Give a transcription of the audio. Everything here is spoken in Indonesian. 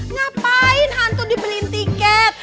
ngapain hantu dibeliin tiket